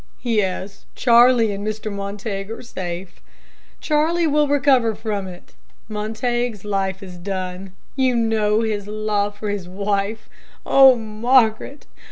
"Yes; Charlie and Mr. Montague are safe. Charlie will recover from it. Montague's life is done. You know his love for his wife. Oh, Margaret!